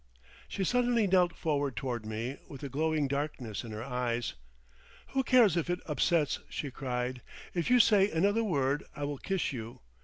She suddenly knelt forward toward me, with a glowing darkness in her eyes. "Who cares if it upsets?" she cried. "If you say another word I will kiss you.